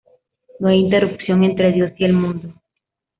No hay interrupción entre Dios y el mundo.